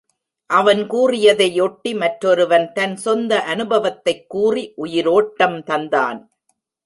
அவன் கூறியதை ஒட்டி மற்றொருவன் தன் சொந்த அனுபவத்தைக் கூறி உயிரோட்டம் தந்தான்.